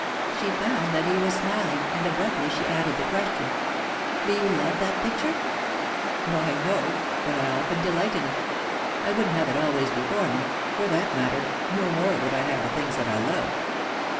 She found that he was smiling, and abruptly she added the question: "Do you love that picture?" "Why, no; but I often delight in it. I wouldn't have it always before me (for that matter, no more would I have the things that I love).